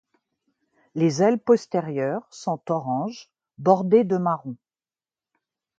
Les ailes postérieures sont orange bordées de marron.